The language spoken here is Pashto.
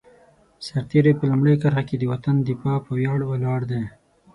سرتېری په لومړۍ کرښه کې د وطن د دفاع په ویاړ ولاړ دی.